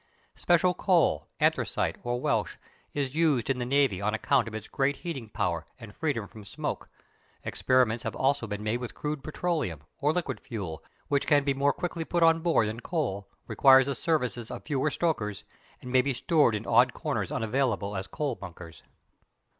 Special coal, anthracite or Welsh, is used in the navy on account of its great heating power and freedom from smoke; experiments have also been made with crude petroleum, or liquid fuel, which can be more quickly put on board than coal, requires the services of fewer stokers, and may be stored in odd corners unavailable as coal bunkers.